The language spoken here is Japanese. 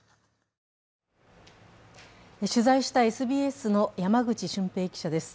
取材したＳＢＳの山口駿平記者です。